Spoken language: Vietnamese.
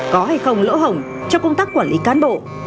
có hay không lỗ hổng cho công tác quản lý cán bộ